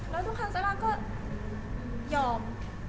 แล้วทุกครั้งซาร่าก็ยอม